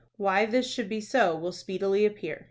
Why this should be so will speedily appear.